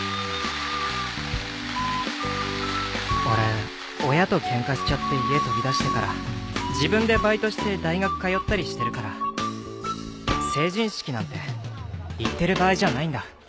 俺親とケンカしちゃって家飛び出してから自分でバイトして大学通ったりしてるから成人式なんて行ってる場合じゃないんだ。